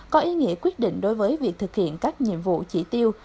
có ý nghĩa quyết định đối với việc thực hiện các nhiệm vụ chỉ tiêu